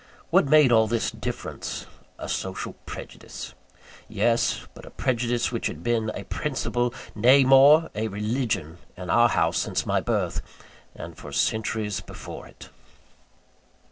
What made all this difference? A social prejudice. Yes: but a prejudice which had been a principle nay, more, a religion in our house, since my birth; and for centuries before it.